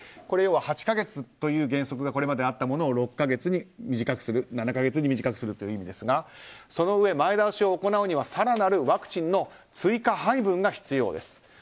これは８か月という原則がこれまであったものを６か月７か月に短くするという意味ですがそのうえ前倒しを行うには更なるワクチン追加配分が必要です。